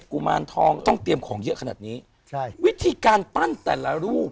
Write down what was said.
กุมารทองต้องเตรียมของเยอะขนาดนี้ใช่วิธีการปั้นแต่ละรูป